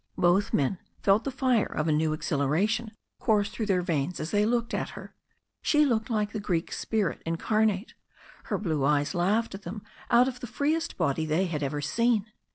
Both men felt the fire of a new exhilaration course through their veins as they looked at her. She looked like the Greek spirit reincarnate. Her blue eyes laughed at them out of the freest body they had ever seen.